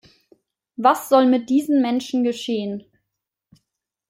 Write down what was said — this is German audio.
Was soll mit diesen Menschen geschehen?